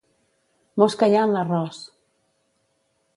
Mosca hi ha en l'arròs!